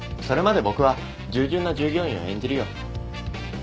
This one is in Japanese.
それまで僕は従順な従業員を演じるよ。